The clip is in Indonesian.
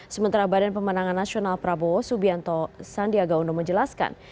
sementara badan pemenangan nasional prabowo subianto sandiagaundo menjelaskan